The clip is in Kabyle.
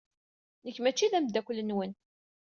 Nekk mačči d ameddakel-nwen.